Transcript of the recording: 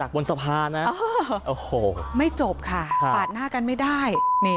บนสภานะไม่จบค่ะปาดหน้ากันไม่ได้